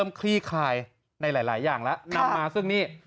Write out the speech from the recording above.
มาเก้าเอาหลายอย่างเอ่ยนำมาซึ่งนี่